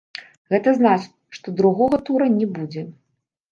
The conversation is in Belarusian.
Гэта значыць, што другога тура не будзе.